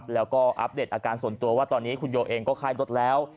แล้วก็อัปเดตอาการส่วนตัวว่าตอนนี้คุณโยเองก็ค่ายรถแล้ว